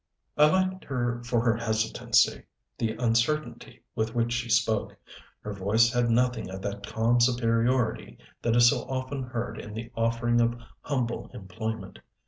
I liked her for her hesitancy, the uncertainty with which she spoke. Her voice had nothing of that calm superiority that is so often heard in the offering of humble employment.